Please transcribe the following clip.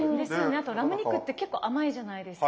あとラム肉って結構甘いじゃないですか。